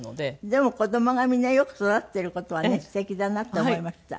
でも子供がみんなよく育っている事はねすてきだなと思いました。